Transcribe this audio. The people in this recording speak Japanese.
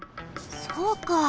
そうか！